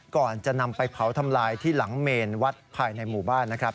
ก่อนจะนำไปเผาทำลายที่หลังเมนวัดภายในหมู่บ้านนะครับ